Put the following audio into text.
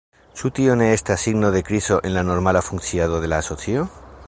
Ĉu tio ne estas signo de krizo en la normala funkciado de la asocio?